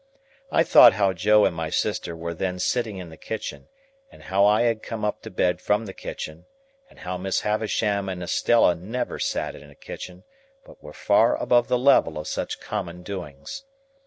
I thought how Joe and my sister were then sitting in the kitchen, and how I had come up to bed from the kitchen, and how Miss Havisham and Estella never sat in a kitchen, but were far above the level of such common doings.